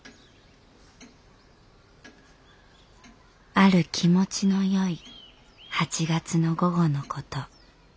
「ある気持ちのよい８月の午後の事。